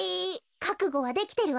かくごはできてるわ。